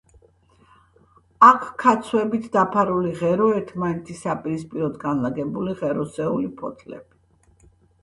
აქვთ ქაცვებით დაფარულია ღერო, ერთმანეთის საპირისპიროდ განლაგებული ღეროსეული ფოთლები.